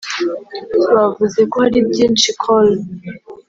Bavuze ko hari byinshi Col